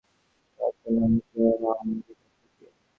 তাঁহাকে, না আমাকে, না বিধাতাকে।